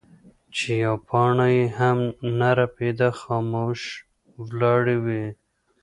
چې يوه پاڼه يې هم نۀ رپيده خاموش ولاړې وې ـ